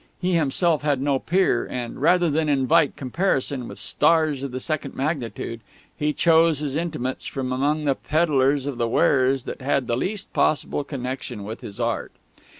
He himself had no peer, and, rather than invite comparison with stars of the second magnitude, he chose his intimates from among the peddlers of the wares that had the least possible connection with his Art.